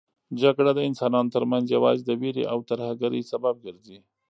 جګړه د انسانانو ترمنځ یوازې د وېرې او ترهګرۍ سبب ګرځي.